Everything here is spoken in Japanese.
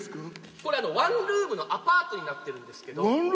これワンルームのアパートになっているんですけど。